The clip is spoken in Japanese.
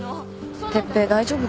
哲平大丈夫かな。